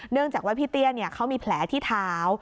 จากว่าพี่เตี้ยเขามีแผลที่เท้า